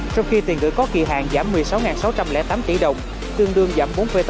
trong khi tiền gửi có kỳ hạn giảm một mươi sáu sáu trăm linh tám tỷ đồng tương đương giảm bốn tám